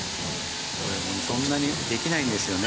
これそんなにできないんですよね